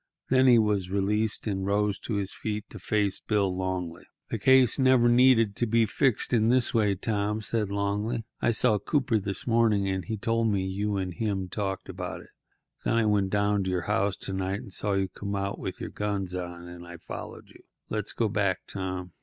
Then he was released, and rose to his feet to face Bill Longley. "The case never needed to be fixed up this way, Tom," said Longley. "I saw Cooper this evening, and he told me what you and him talked about. Then I went down to your house to night and saw you come out with your guns on, and I followed you. Let's go back, Tom."